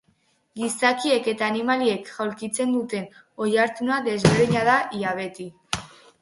Gizakiek eta animaliek jaulkitzen duten oihartzuna desberdina da, ia beti.